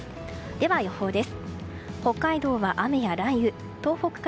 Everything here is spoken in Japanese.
では、予報です。